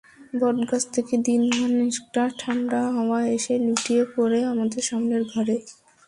বটগাছ থেকে দিনমান একটা ঠান্ডা হাওয়া এসে লুটিয়ে পড়ে আমাদের সামনের ঘরে।